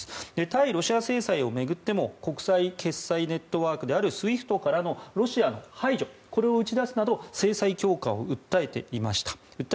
対ロシア制裁を巡っても国際決済ネットワークであるＳＷＩＦＴからのロシアの排除を打ち出すなど制裁強化を訴えてきました。